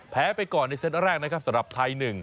ไปก่อนในเซตแรกนะครับสำหรับไทย๑